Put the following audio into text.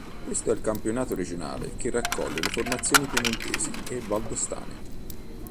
Questo è il campionato regionale che raccoglie le formazioni piemontesi e valdostane.